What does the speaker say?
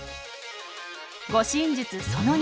護身術その２。